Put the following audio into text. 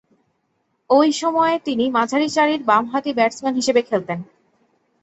ঐ সময়ে তিনি মাঝারিসারির বামহাতি ব্যাটসম্যান হিসেবে খেলতেন।